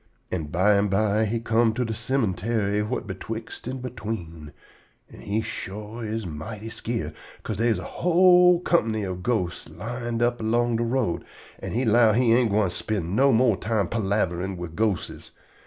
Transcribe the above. An' bimeby he come to de cemuntary whut betwixt an' between, an' he shore is mighty skeered, 'ca'se dey is a whole comp'ny of ghostes lined up along de road, an' he 'low he ain't gwine spind no more time palaverin' wid ghostes.